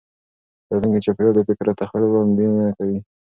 راتلونکي چاپېریال د فکر او تخیل وړاندوینه کوي.